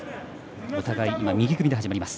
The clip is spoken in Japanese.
お互い右組みで始まります。